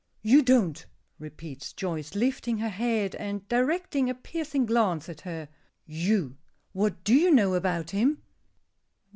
"You don't!" repeats Joyce, lifting her head and directing a piercing glance at her. "You! What do you know about him?"